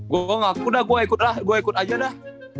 gue ngaku ngaku ikutlah gue ikut aja dah